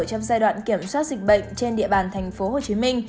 trong giai đoạn kiểm soát dịch bệnh trên địa bàn tp hcm